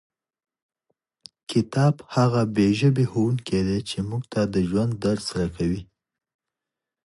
کتاب هغه بې ژبې ښوونکی دی چې موږ ته د ژوند درس راکوي.